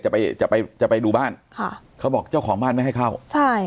จะไปจะไปจะไปดูบ้านค่ะเขาบอกเจ้าของบ้านไม่ให้เข้าใช่